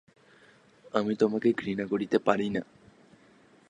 আমি তোমায় ঘৃণা করিতে পারি না।